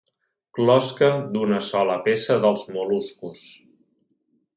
Closca d'una sola peça dels mol·luscos.